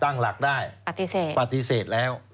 ตั้งหลักได้ปฏิเสธแล้ว